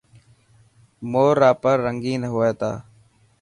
مور را پر رنگين هئي تا.